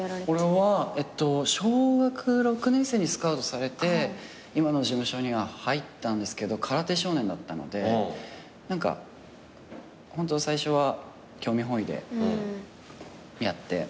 俺は小学６年生にスカウトされて今の事務所には入ったんですけど空手少年だったので何かホント最初は興味本位でやって。